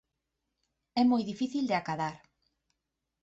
É moi difícil de acadar.